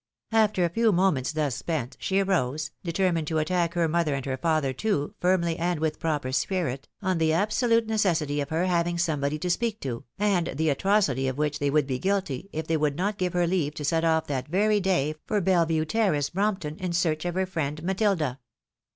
After a few moments thus spent, she arose, determined to attack her mother and her father too, firmly and with proper spirit, on the absolute necessity of her having somebody to speak to, and the atrocity of which they would be guilty, if they would not give her leave to set off that very day for Belle Vue terrace, Brompton, in search of her friend Matilda.